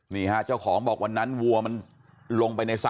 นี่ฮะเจ้าของบอกวันนั้นวัวมันลงไปในสระ